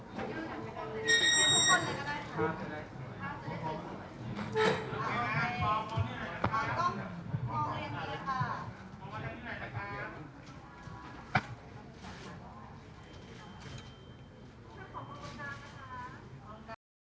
สวัสดีครับ